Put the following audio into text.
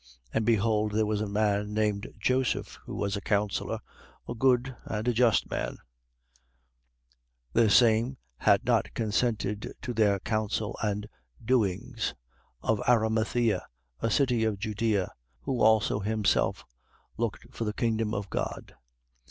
23:50. And behold there was a man named Joseph who was a counsellor, a good and a just man, 23:51. (The same had not consented to their counsel and doings) of Arimathea, a city of Judea: who also himself looked for the kingdom of God.